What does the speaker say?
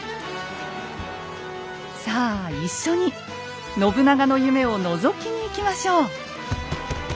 さあ一緒に信長の夢をのぞきに行きましょう。